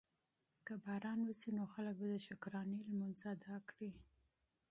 که باران وشي نو خلک به د شکرانې لمونځ ادا کړي.